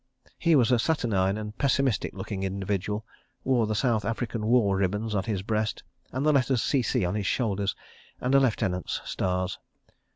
He was a saturnine and pessimistic looking individual, wore the South African War ribbons on his breast, and the letters C.C. on his shoulders, and a lieutenant's stars.